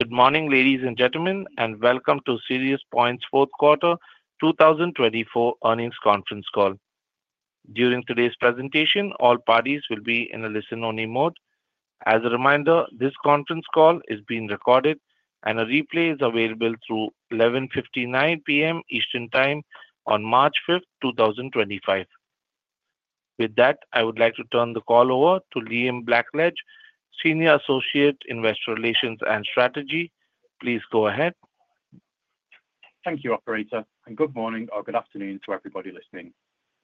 Good morning, ladies and gentlemen, and welcome to SiriusPoint's Fourth Quarter 2024 Earnings Conference Call. During today's presentation, all parties will be in a listen-only mode. As a reminder, this conference call is being recorded, and a replay is available through 11:59 P.M. Eastern Time on March 5, 2025. With that, I would like to turn the call over to Liam Blackledge, Senior Associate Investor Relations and Strategy. Please go ahead. Thank you, Operator, and good morning or good afternoon to everybody listening.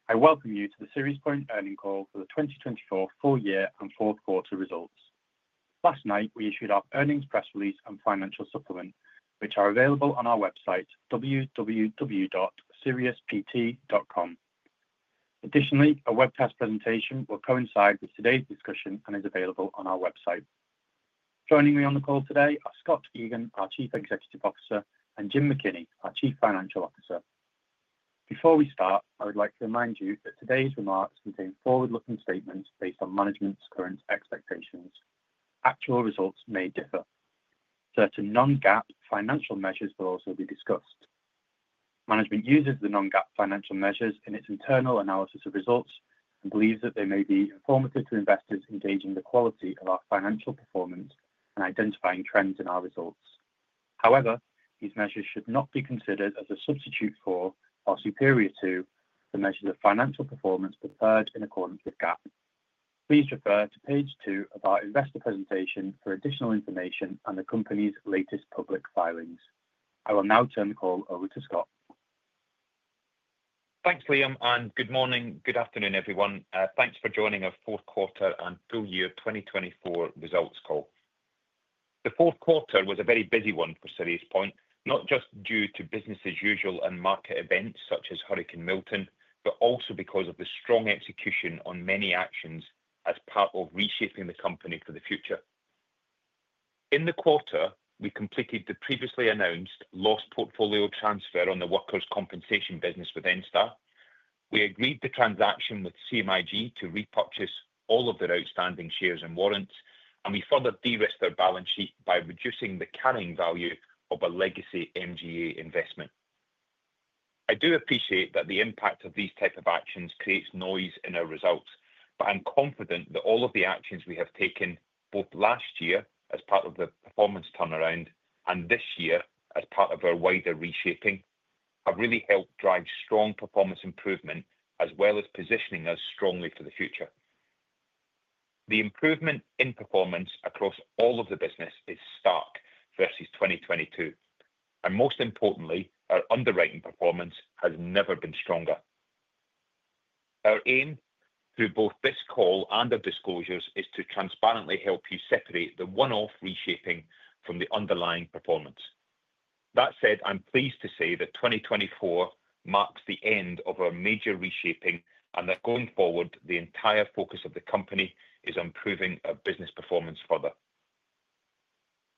I welcome you to the SiriusPoint Earnings Call for the 2024 full year and fourth quarter results. Last night, we issued our earnings press release and financial supplement, which are available on our website, www.siriuspt.com. Additionally, a webcast presentation will coincide with today's discussion and is available on our website. Joining me on the call today are Scott Egan, our Chief Executive Officer, and Jim McKinney, our Chief Financial Officer. Before we start, I would like to remind you that today's remarks contain forward-looking statements based on management's current expectations. Actual results may differ. Certain non-GAAP financial measures will also be discussed. Management uses the non-GAAP financial measures in its internal analysis of results and believes that they may be informative to investors engaging the quality of our financial performance and identifying trends in our results. However, these measures should not be considered as a substitute for or superior to the measures of financial performance preferred in accordance with GAAP. Please refer to page two of our investor presentation for additional information on the company's latest public filings. I will now turn the call over to Scott. Thanks, Liam, and good morning, good afternoon, everyone. Thanks for joining our fourth quarter and full year 2024 results call. The fourth quarter was a very busy one for SiriusPoint, not just due to business as usual and market events such as Hurricane Milton, but also because of the strong execution on many actions as part of reshaping the company for the future. In the quarter, we completed the previously announced loss portfolio transfer on the workers' compensation business with Enstar. We agreed to transaction with CMIG to repurchase all of their outstanding shares and warrants, and we further de-risked their balance sheet by reducing the carrying value of a legacy MGA investment. I do appreciate that the impact of these types of actions creates noise in our results, but I'm confident that all of the actions we have taken both last year as part of the performance turnaround and this year as part of our wider reshaping have really helped drive strong performance improvement as well as positioning us strongly for the future. The improvement in performance across all of the business is stark versus 2022, and most importantly, our underwriting performance has never been stronger. Our aim through both this call and our disclosures is to transparently help you separate the one-off reshaping from the underlying performance. That said, I'm pleased to say that 2024 marks the end of our major reshaping and that going forward, the entire focus of the company is on improving our business performance further.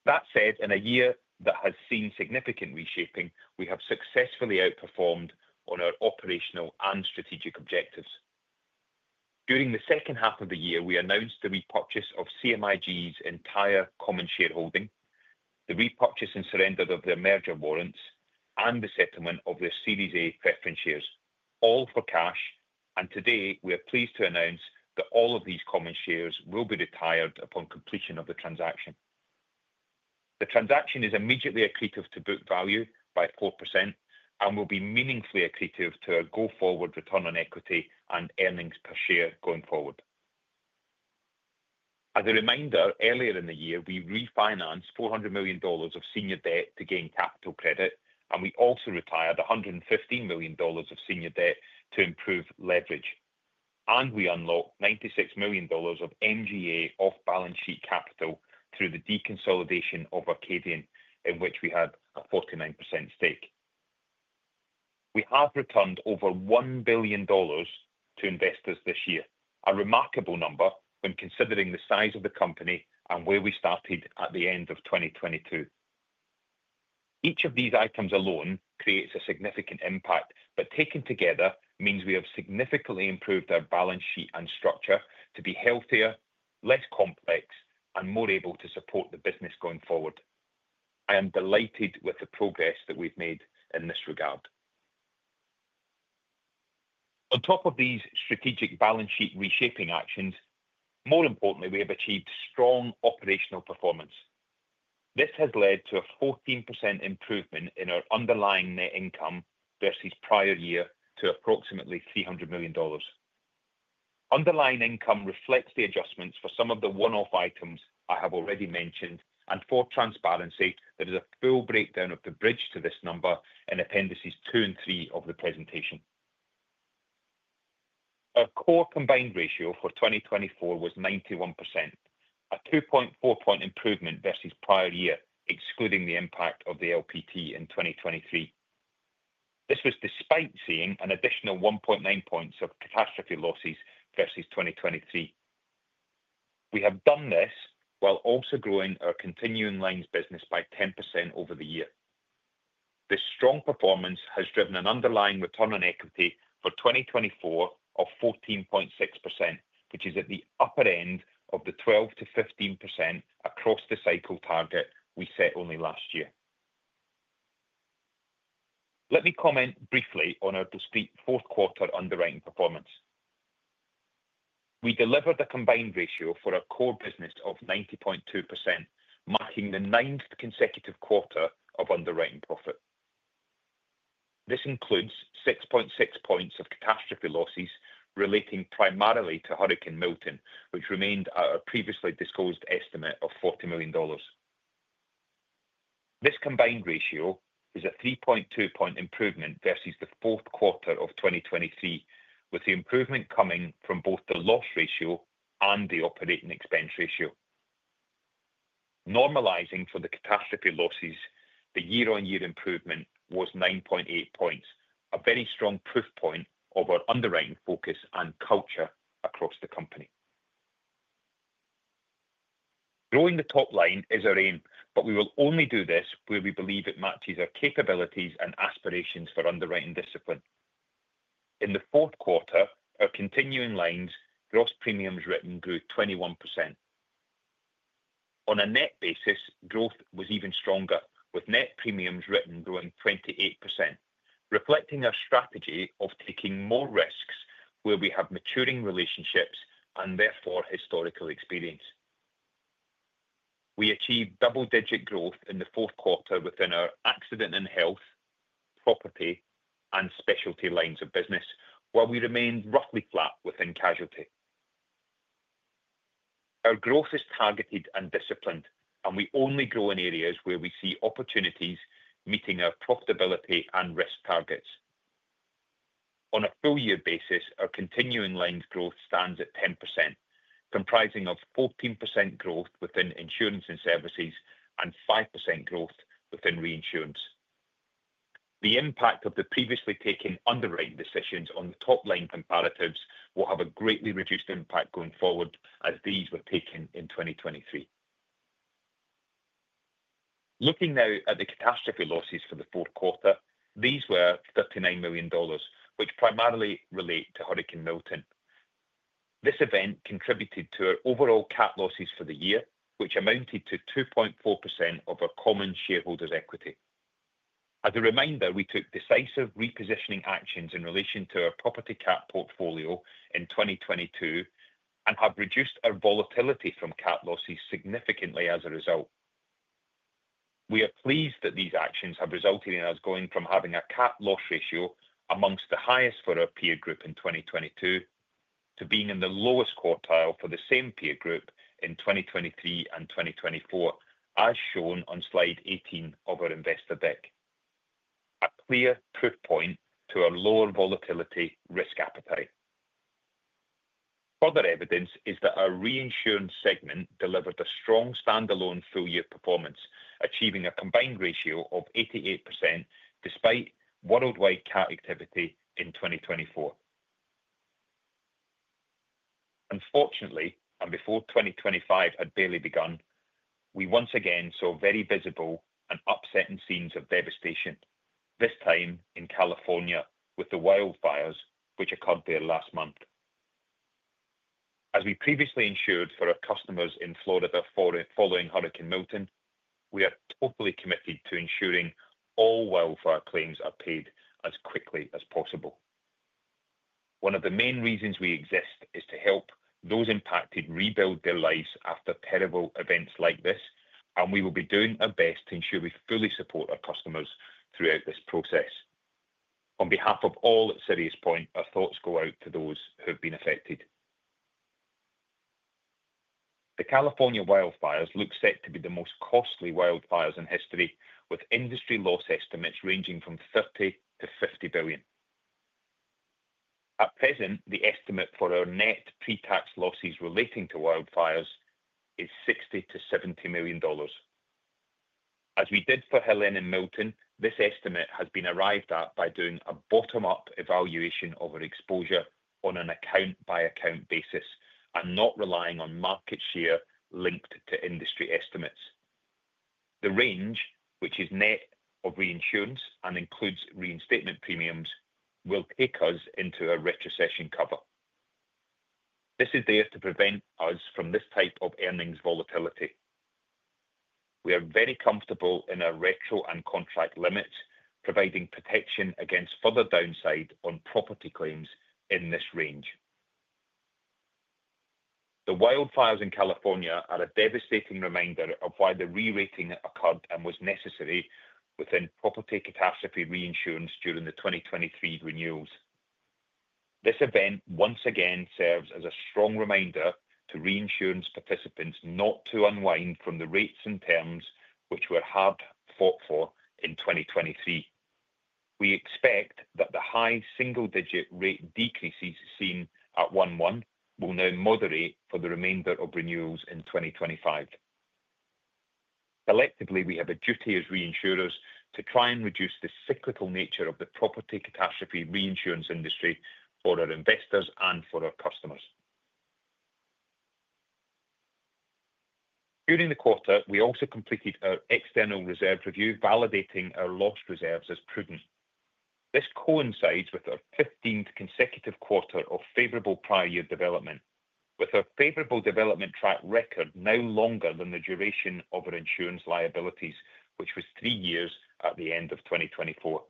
That said, in a year that has seen significant reshaping, we have successfully outperformed on our operational and strategic objectives. During the second half of the year, we announced the repurchase of CMIG's entire common shareholding, the repurchase and surrender of their merger warrants, and the settlement of their Series A preference shares, all for cash. And today, we are pleased to announce that all of these common shares will be retired upon completion of the transaction. The transaction is immediately accretive to book value by 4% and will be meaningfully accretive to our go-forward return on equity and earnings per share going forward. As a reminder, earlier in the year, we refinanced $400 million of senior debt to gain capital credit, and we also retired $115 million of senior debt to improve leverage. We unlocked $96 million of MGA off-balance sheet capital through the deconsolidation of Arcadian, in which we had a 49% stake. We have returned over $1 billion to investors this year, a remarkable number when considering the size of the company and where we started at the end of 2022. Each of these items alone creates a significant impact, but taken together means we have significantly improved our balance sheet and structure to be healthier, less complex, and more able to support the business going forward. I am delighted with the progress that we've made in this regard. On top of these strategic balance sheet reshaping actions, more importantly, we have achieved strong operational performance. This has led to a 14% improvement in our underlying net income versus prior year to approximately $300 million. Underlying income reflects the adjustments for some of the one-off items I have already mentioned, and for transparency, there is a full breakdown of the bridge to this number in appendices two and three of the presentation. Our core combined ratio for 2024 was 91%, a 2.4 point improvement versus prior year, excluding the impact of the LPT in 2023. This was despite seeing an additional 1.9 points of catastrophe losses versus 2023. We have done this while also growing our continuing lines business by 10% over the year. This strong performance has driven an underlying return on equity for 2024 of 14.6%, which is at the upper end of the 12%-15% across the cycle target we set only last year. Let me comment briefly on our discrete fourth quarter underwriting performance. We delivered a combined ratio for our core business of 90.2%, marking the ninth consecutive quarter of underwriting profit. This includes 6.6 points of catastrophe losses relating primarily to Hurricane Milton, which remained at our previously disclosed estimate of $40 million. This combined ratio is a 3.2 point improvement versus the fourth quarter of 2023, with the improvement coming from both the loss ratio and the operating expense ratio. Normalizing for the catastrophe losses, the year-on-year improvement was 9.8 points, a very strong proof point of our underwriting focus and culture across the company. Growing the top line is our aim, but we will only do this where we believe it matches our capabilities and aspirations for underwriting discipline. In the fourth quarter, our continuing lines gross premiums written grew 21%. On a net basis, growth was even stronger, with net premiums written growing 28%, reflecting our strategy of taking more risks where we have maturing relationships and therefore historical experience. We achieved double-digit growth in the fourth quarter within our accident and health, property, and specialty lines of business, while we remained roughly flat within casualty. Our growth is targeted and disciplined, and we only grow in areas where we see opportunities meeting our profitability and risk targets. On a full year basis, our continuing lines growth stands at 10%, comprising of 14% growth within insurance and services and 5% growth within reinsurance. The impact of the previously taken underwriting decisions on the top line comparatives will have a greatly reduced impact going forward as these were taken in 2023. Looking now at the catastrophe losses for the fourth quarter, these were $39 million, which primarily relate to Hurricane Milton. This event contributed to our overall CAT losses for the year, which amounted to 2.4% of our common shareholders' equity. As a reminder, we took decisive repositioning actions in relation to our property CAT portfolio in 2022 and have reduced our volatility from CAT losses significantly as a result. We are pleased that these actions have resulted in us going from having a CAT loss ratio amongst the highest for our peer group in 2022 to being in the lowest quartile for the same peer group in 2023 and 2024, as shown on slide 18 of our investor deck. A clear proof point to our lower volatility risk appetite. Further evidence is that our reinsurance segment delivered a strong standalone full year performance, achieving a combined ratio of 88% despite worldwide CAT activity in 2024. Unfortunately, and before 2025 had barely begun, we once again saw very visible and upsetting scenes of devastation, this time in California with the wildfires which occurred there last month. As we previously ensured for our customers in Florida following Hurricane Milton, we are totally committed to ensuring all wildfire claims are paid as quickly as possible. One of the main reasons we exist is to help those impacted rebuild their lives after terrible events like this, and we will be doing our best to ensure we fully support our customers throughout this process. On behalf of all at SiriusPoint, our thoughts go out to those who have been affected. The California wildfires look set to be the most costly wildfires in history, with industry loss estimates ranging from $30-$50 billion. At present, the estimate for our net pre-tax losses relating to wildfires is $60-$70 million. As we did for Helen and Milton, this estimate has been arrived at by doing a bottom-up evaluation of our exposure on an account-by-account basis and not relying on market share linked to industry estimates. The range, which is net of reinsurance and includes reinstatement premiums, will take us into a retrocession cover. This is there to prevent us from this type of earnings volatility. We are very comfortable in our retro and contract limits, providing protection against further downside on property claims in this range. The wildfires in California are a devastating reminder of why the re-rating occurred and was necessary within property catastrophe reinsurance during the 2023 renewals. This event once again serves as a strong reminder to reinsurance participants not to unwind from the rates and terms which were hard fought for in 2023. We expect that the high single-digit rate decreases seen at one one will now moderate for the remainder of renewals in 2025. Collectively, we have a duty as reinsurers to try and reduce the cyclical nature of the property catastrophe reinsurance industry for our investors and for our customers. During the quarter, we also completed our external reserve review, validating our loss reserves as prudent. This coincides with our 15th consecutive quarter of favorable prior year development, with our favorable development track record now longer than the duration of our insurance liabilities, which was three years at the end of 2024.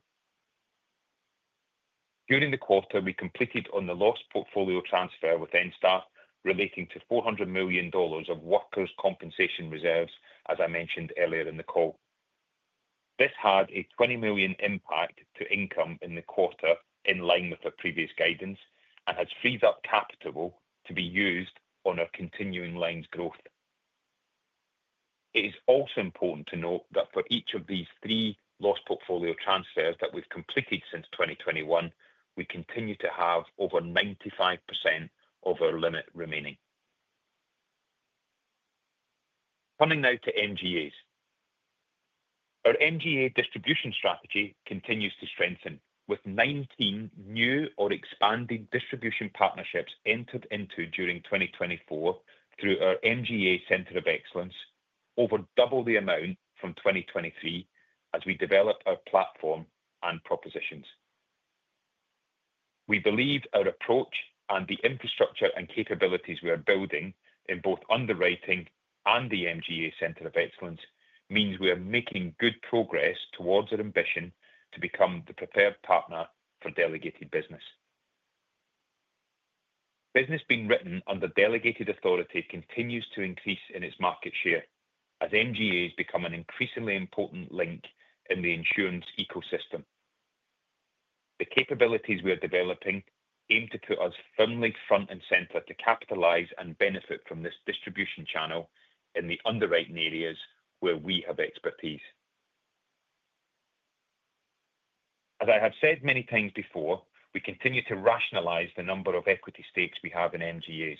During the quarter, we completed the loss portfolio transfer with Enstar, relating to $400 million of workers' compensation reserves, as I mentioned earlier in the call. This had a $20 million impact to income in the quarter, in line with our previous guidance, and has freed up capital to be used on our continuing lines growth. It is also important to note that for each of these three loss portfolio transfers that we've completed since 2021, we continue to have over 95% of our limit remaining. Coming now to MGAs. Our MGA distribution strategy continues to strengthen, with 19 new or expanding distribution partnerships entered into during 2024 through our MGA Center of Excellence, over double the amount from 2023 as we develop our platform and propositions. We believe our approach and the infrastructure and capabilities we are building in both underwriting and the MGA Center of Excellence means we are making good progress towards our ambition to become the prepared partner for delegated business. Business being written under delegated authority continues to increase in its market share as MGAs become an increasingly important link in the insurance ecosystem. The capabilities we are developing aim to put us firmly front and center to capitalize and benefit from this distribution channel in the underwriting areas where we have expertise. As I have said many times before, we continue to rationalize the number of equity stakes we have in MGAs.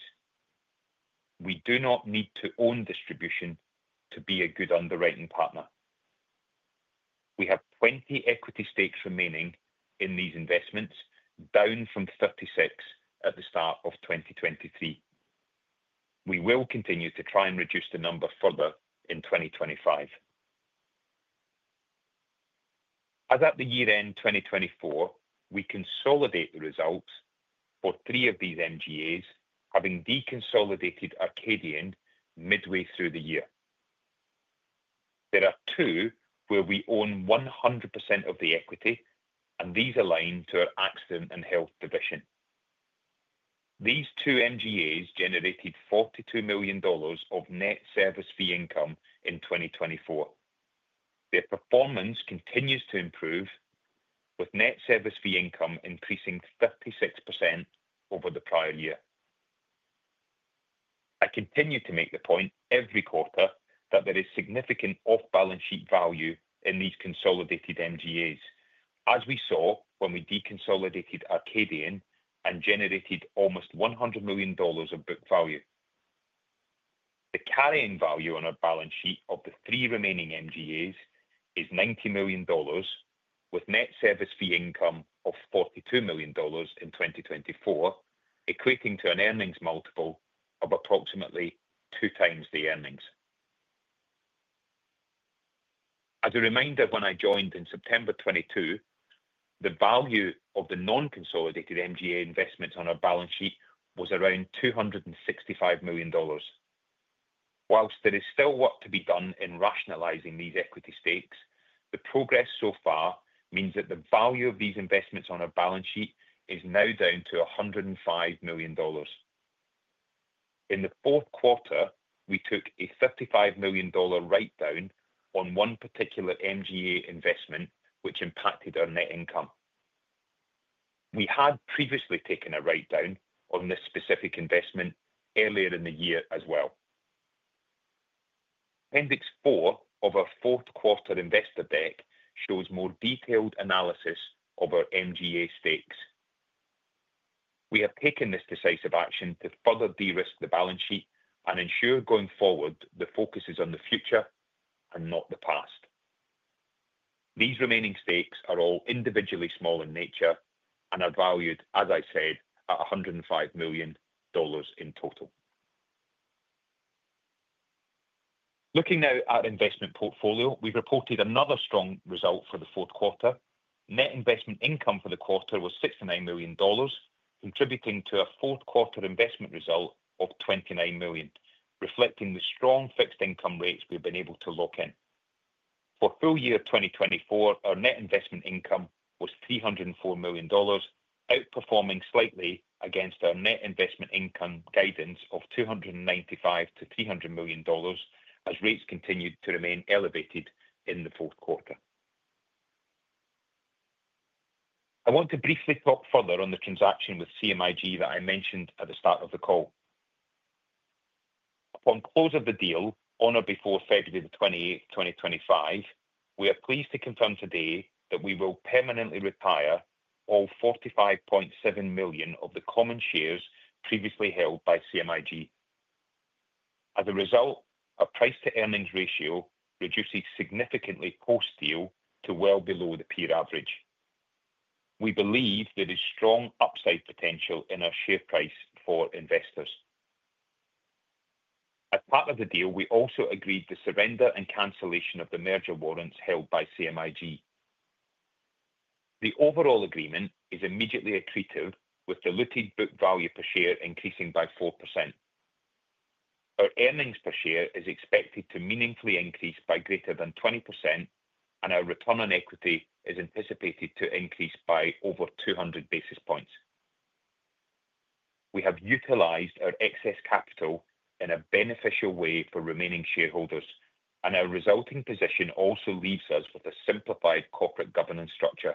We do not need to own distribution to be a good underwriting partner. We have 20 equity stakes remaining in these investments, down from 36 at the start of 2023. We will continue to try and reduce the number further in 2025. As at the year-end 2024, we consolidate the results for three of these MGAs, having deconsolidated Arcadian midway through the year. There are two where we own 100% of the equity, and these align to our accident and health division. These two MGAs generated $42 million of net service fee income in 2024. Their performance continues to improve, with net service fee income increasing 36% over the prior year. I continue to make the point every quarter that there is significant off-balance sheet value in these consolidated MGAs, as we saw when we deconsolidated Arcadian and generated almost $100 million of book value. The carrying value on our balance sheet of the three remaining MGAs is $90 million, with net service fee income of $42 million in 2024, equating to an earnings multiple of approximately two times the earnings. As a reminder, when I joined in September 2022, the value of the non-consolidated MGA investments on our balance sheet was around $265 million. While there is still work to be done in rationalizing these equity stakes, the progress so far means that the value of these investments on our balance sheet is now down to $105 million. In the fourth quarter, we took a $35 million write-down on one particular MGA investment, which impacted our net income. We had previously taken a write-down on this specific investment earlier in the year as well. Appendix four of our fourth quarter investor deck shows more detailed analysis of our MGA stakes. We have taken this decisive action to further de-risk the balance sheet and ensure going forward the focus is on the future and not the past. These remaining stakes are all individually small in nature and are valued, as I said, at $105 million in total. Looking now at our investment portfolio, we've reported another strong result for the fourth quarter. Net investment income for the quarter was $69 million, contributing to a fourth quarter investment result of $29 million, reflecting the strong fixed income rates we've been able to lock in. For full year 2024, our net investment income was $304 million, outperforming slightly against our net investment income guidance of $295-$300 million as rates continued to remain elevated in the fourth quarter. I want to briefly talk further on the transaction with CMIG that I mentioned at the start of the call. Upon close of the deal, on or before February 28, 2025, we are pleased to confirm today that we will permanently retire all 45.7 million of the common shares previously held by CMIG. As a result, our price-to-earnings ratio reduces significantly post-deal to well below the peer average. We believe there is strong upside potential in our share price for investors. As part of the deal, we also agreed to surrender and cancellation of the merger warrants held by CMIG. The overall agreement is immediately accretive, with diluted book value per share increasing by 4%. Our earnings per share is expected to meaningfully increase by greater than 20%, and our return on equity is anticipated to increase by over 200 basis points. We have utilized our excess capital in a beneficial way for remaining shareholders, and our resulting position also leaves us with a simplified corporate governance structure,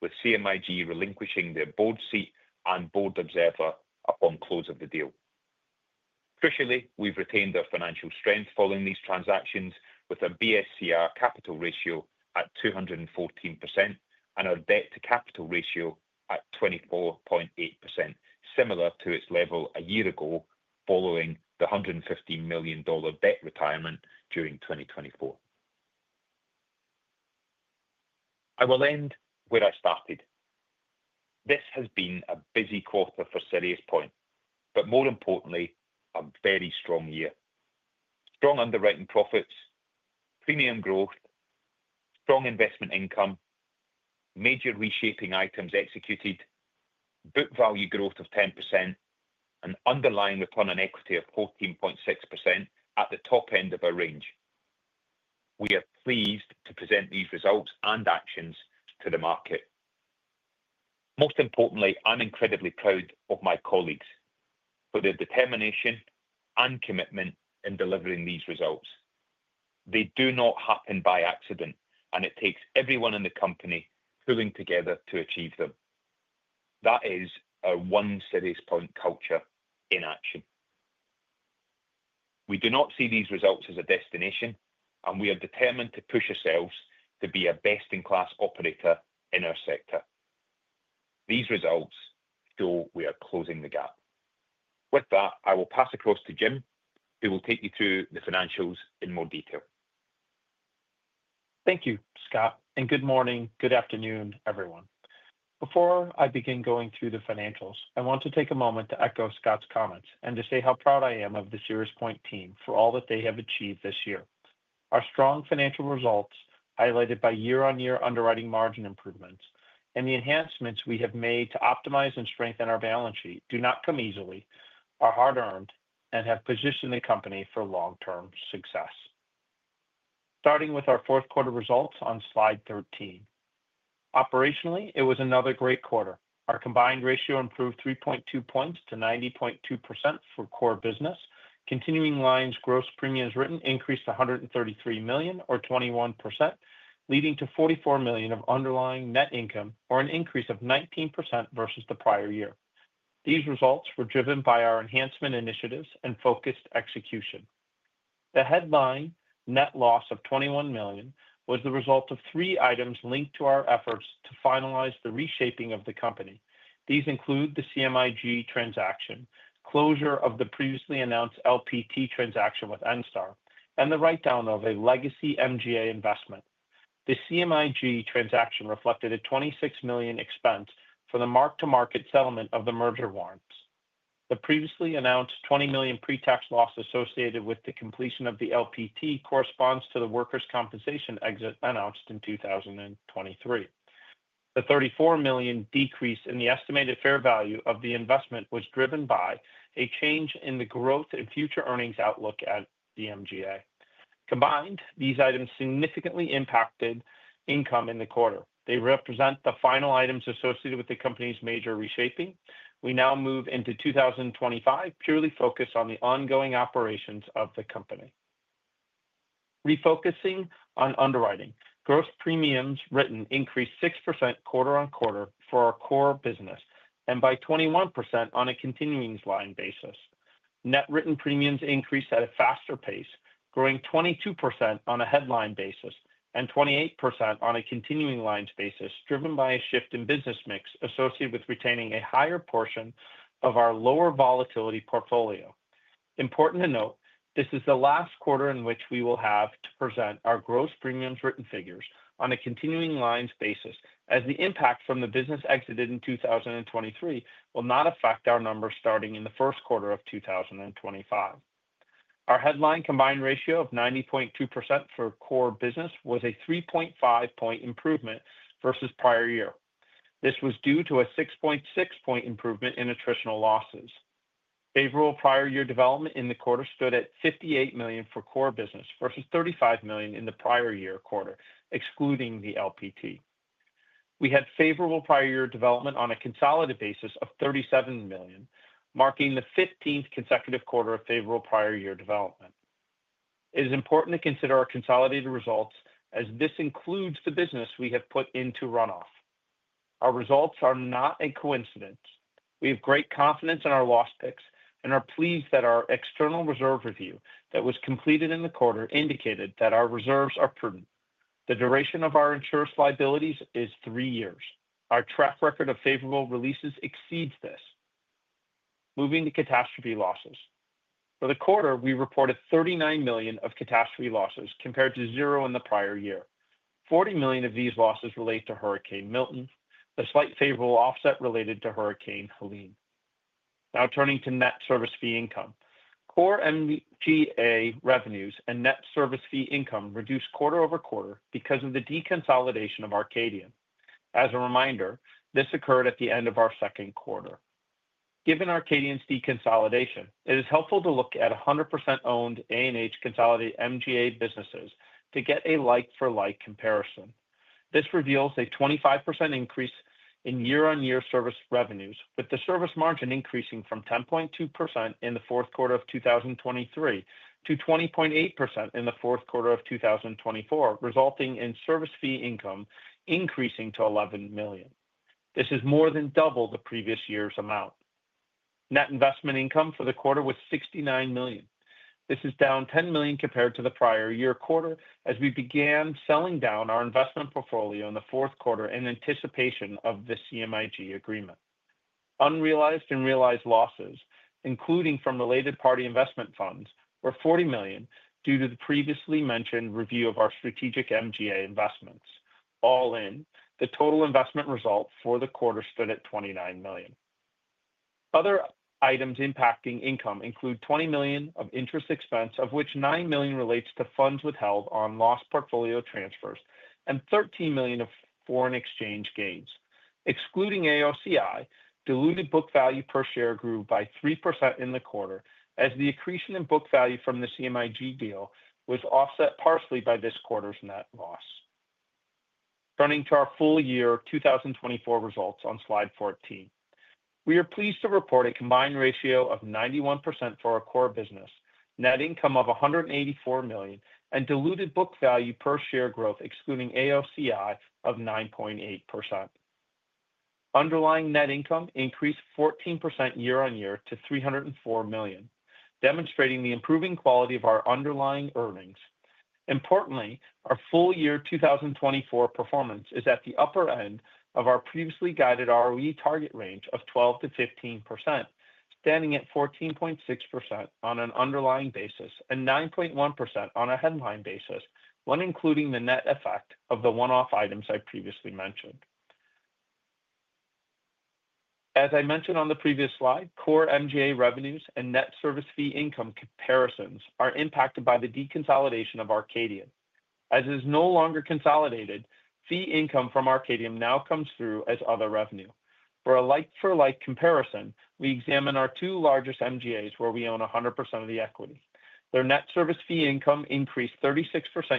with CMIG relinquishing their board seat and board observer upon close of the deal. Crucially, we've retained our financial strength following these transactions, with our BSCR capital ratio at 214% and our debt-to-capital ratio at 24.8%, similar to its level a year ago following the $115 million debt retirement during 2024. I will end where I started. This has been a busy quarter for SiriusPoint, but more importantly, a very strong year. Strong underwriting profits, premium growth, strong investment income, major reshaping items executed, book value growth of 10%, and underlying return on equity of 14.6% at the top end of our range. We are pleased to present these results and actions to the market. Most importantly, I'm incredibly proud of my colleagues for their determination and commitment in delivering these results. They do not happen by accident, and it takes everyone in the company pulling together to achieve them. That is our One SiriusPoint culture in action. We do not see these results as a destination, and we are determined to push ourselves to be a best-in-class operator in our sector. These results show we are closing the gap. With that, I will pass across to Jim, who will take you through the financials in more detail. Thank you, Scott, and good morning, good afternoon, everyone. Before I begin going through the financials, I want to take a moment to echo Scott's comments and to say how proud I am of the SiriusPoint team for all that they have achieved this year. Our strong financial results, highlighted by year-on-year underwriting margin improvements, and the enhancements we have made to optimize and strengthen our balance sheet do not come easily, are hard-earned, and have positioned the company for long-term success. Starting with our fourth quarter results on slide 13. Operationally, it was another great quarter. Our combined ratio improved 3.2 points to 90.2% for core business. Continuing lines gross premiums written increased to $133 million, or 21%, leading to $44 million of underlying net income, or an increase of 19% versus the prior year. These results were driven by our enhancement initiatives and focused execution. The headline net loss of $21 million was the result of three items linked to our efforts to finalize the reshaping of the company. These include the CMIG transaction, closure of the previously announced LPT transaction with Enstar, and the write-down of a legacy MGA investment. The CMIG transaction reflected a $26 million expense for the mark-to-market settlement of the merger warrants. The previously announced $20 million pre-tax loss associated with the completion of the LPT corresponds to the workers' compensation exit announced in 2023. The $34 million decrease in the estimated fair value of the investment was driven by a change in the growth and future earnings outlook at the MGA. Combined, these items significantly impacted income in the quarter. They represent the final items associated with the company's major reshaping. We now move into 2025, purely focused on the ongoing operations of the company. Refocusing on underwriting, gross premiums written increased 6% quarter on quarter for our core business, and by 21% on a continuing line basis. Net written premiums increased at a faster pace, growing 22% on a headline basis and 28% on a continuing lines basis, driven by a shift in business mix associated with retaining a higher portion of our lower volatility portfolio. Important to note, this is the last quarter in which we will have to present our gross premiums written figures on a continuing lines basis, as the impact from the business exited in 2023 will not affect our numbers starting in the first quarter of 2025. Our headline combined ratio of 90.2% for core business was a 3.5 point improvement versus prior year. This was due to a 6.6 point improvement in attritional losses. Favorable prior year development in the quarter stood at $58 million for core business versus $35 million in the prior year quarter, excluding the LPT. We had favorable prior year development on a consolidated basis of $37 million, marking the 15th consecutive quarter of favorable prior year development. It is important to consider our consolidated results, as this includes the business we have put into runoff. Our results are not a coincidence. We have great confidence in our loss picks and are pleased that our external reserve review that was completed in the quarter indicated that our reserves are prudent. The duration of our insurance liabilities is three years. Our track record of favorable releases exceeds this. Moving to catastrophe losses. For the quarter, we reported $39 million of catastrophe losses compared to zero in the prior year. $40 million of these losses relate to Hurricane Milton, a slight favorable offset related to Hurricane Helene. Now turning to net service fee income. Core MGA revenues and net service fee income reduced quarter over quarter because of the deconsolidation of Arcadian. As a reminder, this occurred at the end of our second quarter. Given Arcadian's deconsolidation, it is helpful to look at 100% owned A&H Consolidated MGA businesses to get a like-for-like comparison. This reveals a 25% increase in year-on-year service revenues, with the service margin increasing from 10.2% in the fourth quarter of 2023 to 20.8% in the fourth quarter of 2024, resulting in service fee income increasing to $11 million. This is more than double the previous year's amount. Net investment income for the quarter was $69 million. This is down $10 million compared to the prior year quarter, as we began selling down our investment portfolio in the fourth quarter in anticipation of the CMIG agreement. Unrealized and realized losses, including from related party investment funds, were $40 million due to the previously mentioned review of our strategic MGA investments. All in, the total investment result for the quarter stood at $29 million. Other items impacting income include $20 million of interest expense, of which $9 million relates to funds withheld on loss portfolio transfers and $13 million of foreign exchange gains. Excluding AOCI, diluted book value per share grew by 3% in the quarter, as the accretion in book value from the CMIG deal was offset partially by this quarter's net loss. Turning to our full year 2024 results on slide 14. We are pleased to report a combined ratio of 91% for our core business, net income of $184 million, and diluted book value per share growth, excluding AOCI, of 9.8%. Underlying net income increased 14% year-on-year to $304 million, demonstrating the improving quality of our underlying earnings. Importantly, our full year 2024 performance is at the upper end of our previously guided ROE target range of 12%-15%, standing at 14.6% on an underlying basis and 9.1% on a headline basis, when including the net effect of the one-off items I previously mentioned. As I mentioned on the previous slide, core MGA revenues and net service fee income comparisons are impacted by the deconsolidation of Arcadian. As it is no longer consolidated, fee income from Arcadian now comes through as other revenue. For a like-for-like comparison, we examine our two largest MGAs where we own 100% of the equity. Their net service fee income increased 36%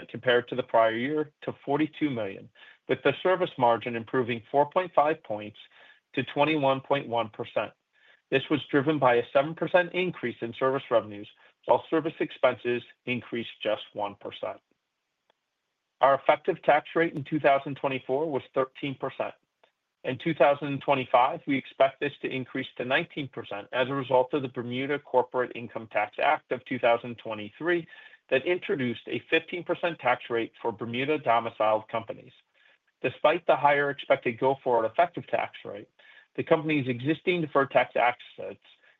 compared to the prior year to $42 million, with the service margin improving 4.5 points to 21.1%. This was driven by a 7% increase in service revenues, while service expenses increased just 1%. Our effective tax rate in 2024 was 13%. In 2025, we expect this to increase to 19% as a result of the Bermuda Corporate Income Tax Act of 2023 that introduced a 15% tax rate for Bermuda domiciled companies. Despite the higher expected go-forward effective tax rate, the company's existing deferred tax assets,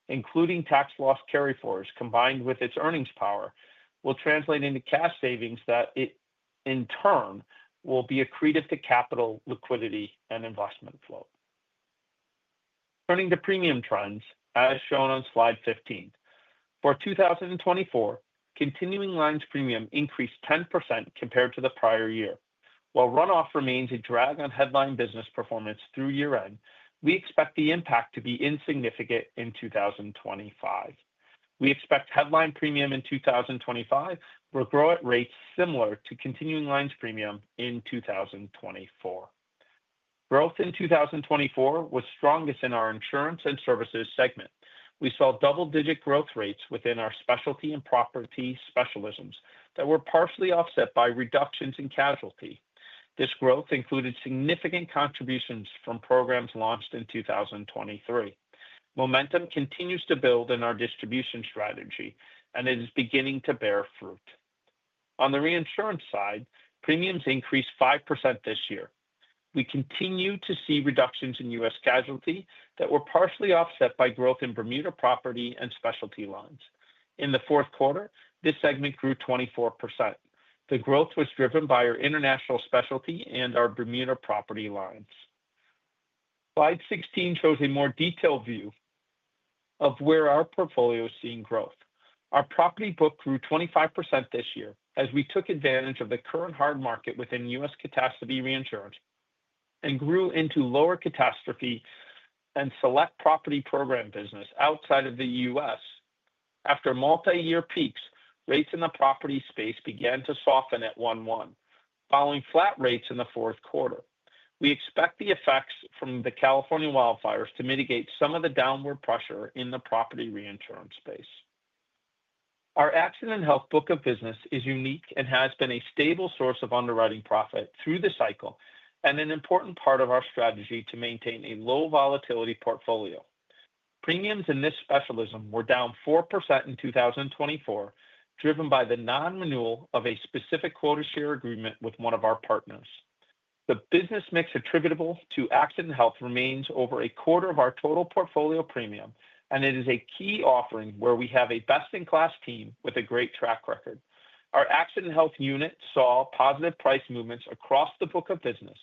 including tax loss carryforwards combined with its earnings power, will translate into cash savings that, in turn, will be accretive to capital liquidity and investment flow. Turning to premium trends, as shown on slide 15. For 2024, continuing lines premium increased 10% compared to the prior year. While runoff remains a drag on headline business performance through year-end, we expect the impact to be insignificant in 2025. We expect headline premium in 2025 will grow at rates similar to continuing lines premium in 2024. Growth in 2024 was strongest in our insurance and services segment. We saw double-digit growth rates within our specialty and property specialisms that were partially offset by reductions in casualty. This growth included significant contributions from programs launched in 2023. Momentum continues to build in our distribution strategy, and it is beginning to bear fruit. On the reinsurance side, premiums increased 5% this year. We continue to see reductions in U.S. casualty that were partially offset by growth in Bermuda property and specialty lines. In the fourth quarter, this segment grew 24%. The growth was driven by our international specialty and our Bermuda property lines. Slide 16 shows a more detailed view of where our portfolio is seeing growth. Our property book grew 25% this year as we took advantage of the current hard market within U.S. catastrophe reinsurance and grew into lower catastrophe and select property program business outside of the U.S. After multi-year peaks, rates in the property space began to soften at one one, following flat rates in the fourth quarter. We expect the effects from the California wildfires to mitigate some of the downward pressure in the property reinsurance space. Our Accident & Health book of business is unique and has been a stable source of underwriting profit through the cycle and an important part of our strategy to maintain a low volatility portfolio. Premiums in this specialism were down 4% in 2024, driven by the non-renewal of a specific quota share agreement with one of our partners. The business mix attributable to Accident & Health remains over a quarter of our total portfolio premium, and it is a key offering where we have a best-in-class team with a great track record. Our Accident & Health unit saw positive price movements across the book of business,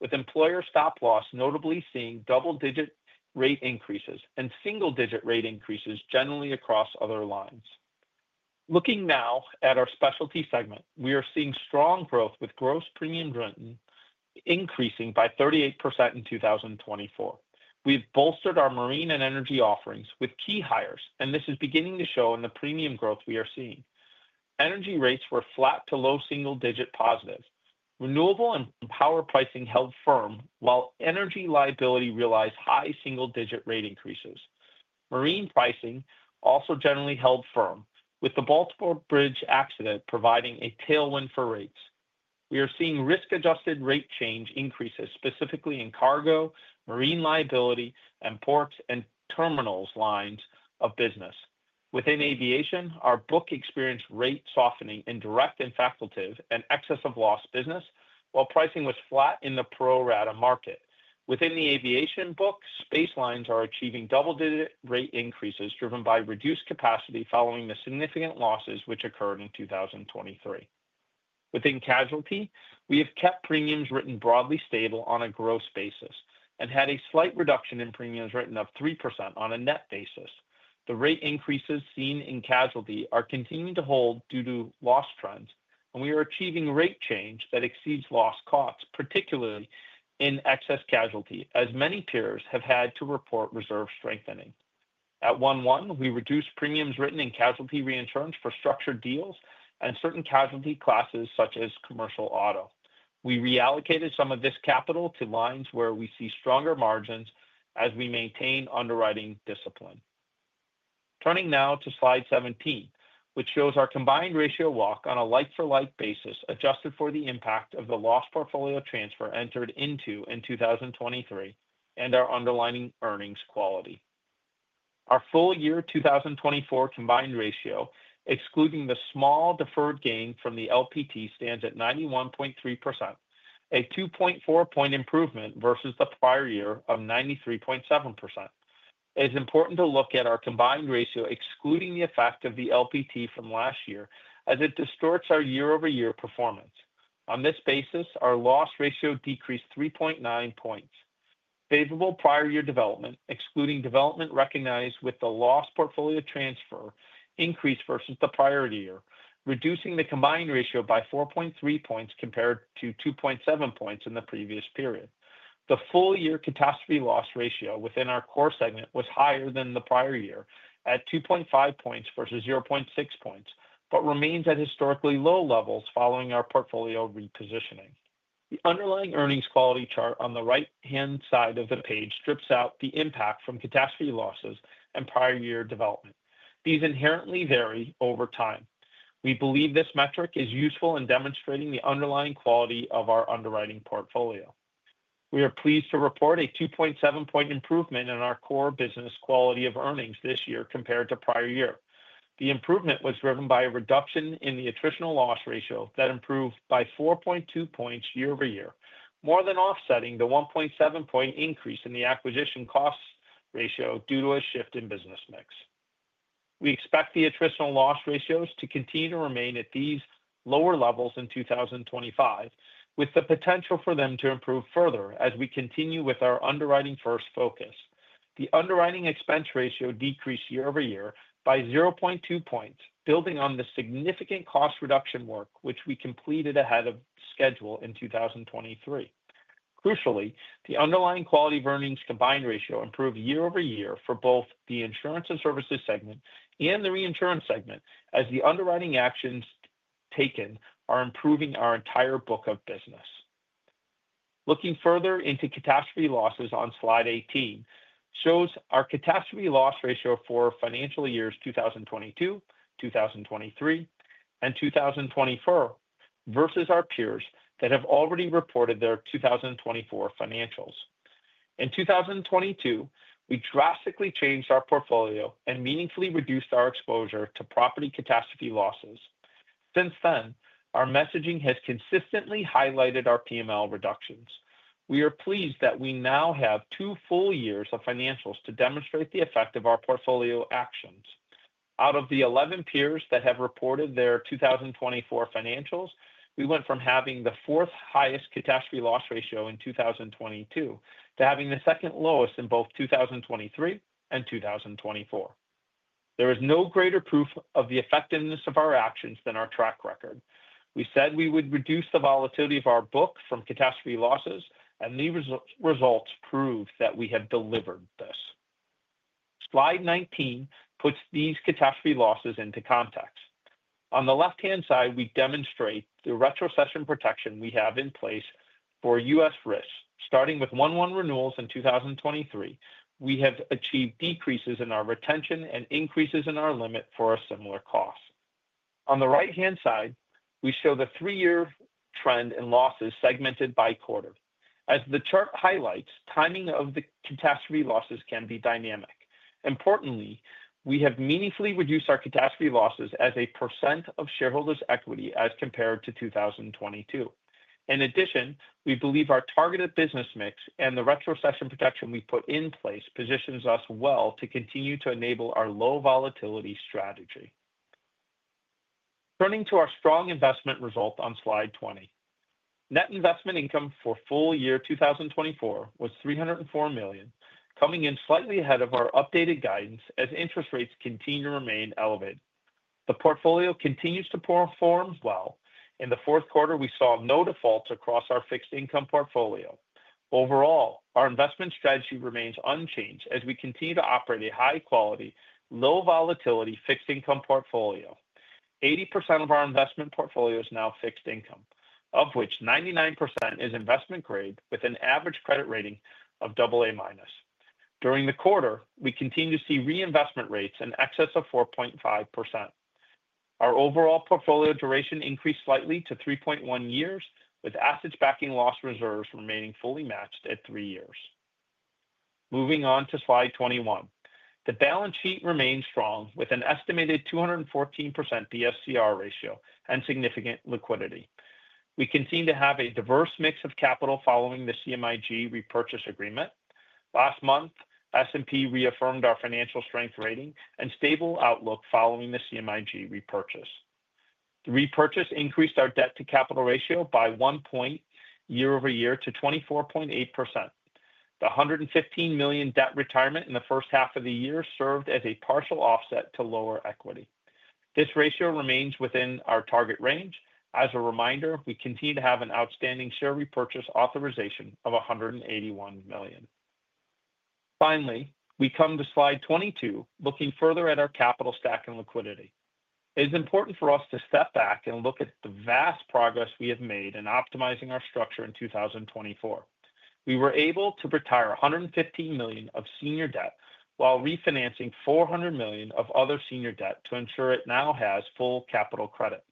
with Employer Stop-Loss notably seeing double-digit rate increases and single-digit rate increases generally across other lines. Looking now at our specialty segment, we are seeing strong growth with gross premiums written increasing by 38% in 2024. We have bolstered our Marine and Energy offerings with key hires, and this is beginning to show in the premium growth we are seeing. Energy rates were flat to low single-digit positive. Renewable and power pricing held firm, while energy liability realized high single-digit rate increases. Marine pricing also generally held firm, with the Baltimore Bridge accident providing a tailwind for rates. We are seeing risk-adjusted rate change increases specifically in cargo, marine liability, and ports and terminals lines of business. Within aviation, our book experienced rate softening in direct and facultative and excess of loss business, while pricing was flat in the pro rata market. Within the aviation book, space lines are achieving double-digit rate increases driven by reduced capacity following the significant losses which occurred in 2023. Within casualty, we have kept premiums written broadly stable on a gross basis and had a slight reduction in premiums written of 3% on a net basis. The rate increases seen in casualty are continuing to hold due to loss trends, and we are achieving rate change that exceeds loss costs, particularly in excess casualty, as many peers have had to report reserve strengthening. At one one, we reduced premiums written in casualty reinsurance for structured deals and certain casualty classes such as commercial auto. We reallocated some of this capital to lines where we see stronger margins as we maintain underwriting discipline. Turning now to slide 17, which shows our combined ratio walk on a like-for-like basis adjusted for the impact of the loss portfolio transfer entered into in 2023 and our underlying earnings quality. Our full year 2024 combined ratio, excluding the small deferred gain from the LPT, stands at 91.3%, a 2.4 point improvement versus the prior year of 93.7%. It is important to look at our combined ratio, excluding the effect of the LPT from last year, as it distorts our year-over-year performance. On this basis, our loss ratio decreased 3.9 points. Favorable prior year development, excluding development recognized with the loss portfolio transfer, increased versus the prior year, reducing the combined ratio by 4.3 points compared to 2.7 points in the previous period. The full year catastrophe loss ratio within our core segment was higher than the prior year at 2.5 points versus 0.6 points, but remains at historically low levels following our portfolio repositioning. The underlying earnings quality chart on the right-hand side of the page strips out the impact from catastrophe losses and prior year development. These inherently vary over time. We believe this metric is useful in demonstrating the underlying quality of our underwriting portfolio. We are pleased to report a 2.7 point improvement in our core business quality of earnings this year compared to prior year. The improvement was driven by a reduction in the attritional loss ratio that improved by 4.2 points year-over-year, more than offsetting the 1.7 point increase in the acquisition cost ratio due to a shift in business mix. We expect the attritional loss ratios to continue to remain at these lower levels in 2025, with the potential for them to improve further as we continue with our underwriting-first focus. The underwriting expense ratio decreased year-over-year by 0.2 points, building on the significant cost reduction work which we completed ahead of schedule in 2023. Crucially, the underlying quality of earnings combined ratio improved year-over-year for both the insurance and services segment and the reinsurance segment, as the underwriting actions taken are improving our entire book of business. Looking further into catastrophe losses on slide 18 shows our catastrophe loss ratio for financial years 2022, 2023, and 2024 versus our peers that have already reported their 2024 financials. In 2022, we drastically changed our portfolio and meaningfully reduced our exposure to property catastrophe losses. Since then, our messaging has consistently highlighted our PML reductions. We are pleased that we now have two full years of financials to demonstrate the effect of our portfolio actions. Out of the 11 peers that have reported their 2024 financials, we went from having the fourth-highest catastrophe loss ratio in 2022 to having the second-lowest in both 2023 and 2024. There is no greater proof of the effectiveness of our actions than our track record. We said we would reduce the volatility of our book from catastrophe losses, and the results prove that we have delivered this. Slide 19 puts these catastrophe losses into context. On the left-hand side, we demonstrate the retrocession protection we have in place for U.S. risks. Starting with one one renewals in 2023, we have achieved decreases in our retention and increases in our limit for a similar cost. On the right-hand side, we show the three-year trend in losses segmented by quarter. As the chart highlights, timing of the catastrophe losses can be dynamic. Importantly, we have meaningfully reduced our catastrophe losses as a percent of shareholders' equity as compared to 2022. In addition, we believe our targeted business mix and the retrocession protection we put in place positions us well to continue to enable our low volatility strategy. Turning to our strong investment result on slide 20. Net investment income for full year 2024 was $304 million, coming in slightly ahead of our updated guidance as interest rates continue to remain elevated. The portfolio continues to perform well. In the fourth quarter, we saw no defaults across our fixed income portfolio. Overall, our investment strategy remains unchanged as we continue to operate a high-quality, low-volatility fixed income portfolio. 80% of our investment portfolio is now fixed income, of which 99% is investment graded with an average credit rating of AA-. During the quarter, we continue to see reinvestment rates in excess of 4.5%. Our overall portfolio duration increased slightly to 3.1 years, with assets backing loss reserves remaining fully matched at three years. Moving on to slide 21. The balance sheet remains strong with an estimated 214% BSCR ratio and significant liquidity. We continue to have a diverse mix of capital following the CMIG repurchase agreement. Last month, S&P reaffirmed our financial strength rating and stable outlook following the CMIG repurchase. The repurchase increased our debt-to-capital ratio by one point year-over-year to 24.8%. The $115 million debt retirement in the first half of the year served as a partial offset to lower equity. This ratio remains within our target range. As a reminder, we continue to have an outstanding share repurchase authorization of $181 million. Finally, we come to slide 22, looking further at our capital stack and liquidity. It is important for us to step back and look at the vast progress we have made in optimizing our structure in 2024. We were able to retire $115 million of senior debt while refinancing $400 million of other senior debt to ensure it now has full capital credit.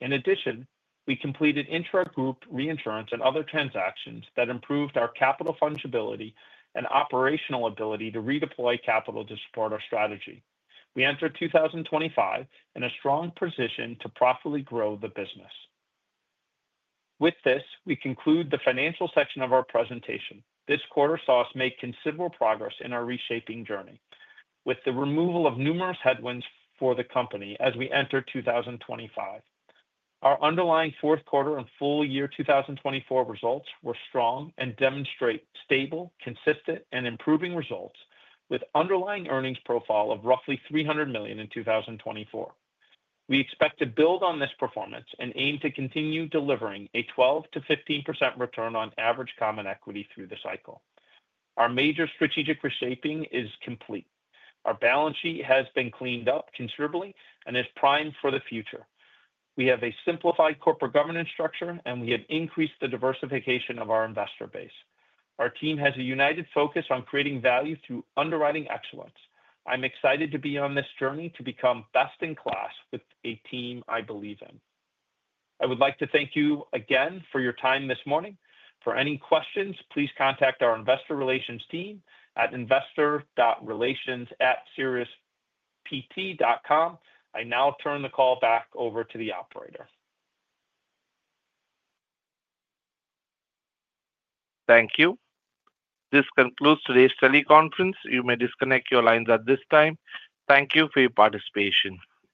In addition, we completed intra-group reinsurance and other transactions that improved our capital fungibility and operational ability to redeploy capital to support our strategy. We entered 2025 in a strong position to profitably grow the business. With this, we conclude the financial section of our presentation. This quarter saw us make considerable progress in our reshaping journey with the removal of numerous headwinds for the company as we enter 2025. Our underlying fourth quarter and full year 2024 results were strong and demonstrate stable, consistent, and improving results with an underlying earnings profile of roughly $300 million in 2024. We expect to build on this performance and aim to continue delivering a 12%-15% return on average common equity through the cycle. Our major strategic reshaping is complete. Our balance sheet has been cleaned up considerably and is primed for the future. We have a simplified corporate governance structure, and we have increased the diversification of our investor base. Our team has a united focus on creating value through underwriting excellence. I'm excited to be on this journey to become best-in-class with a team I believe in. I would like to thank you again for your time this morning. For any questions, please contact our investor relations team at investor.relations@siriuspt.com. I now turn the call back over to the operator. Thank you. This concludes today's strategy conference. You may disconnect your lines at this time. Thank you for your participation.